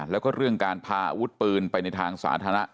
แล้วก็เรื่องการพาอาวุธปืนไปในทางสาธารณะ